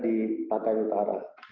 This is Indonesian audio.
di pantai utara